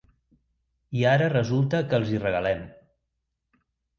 I ara resulta que els hi regalem.